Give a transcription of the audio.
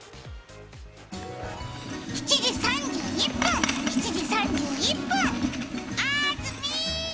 ７時３１分、７時３１分、あずみー。